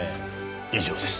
以上です。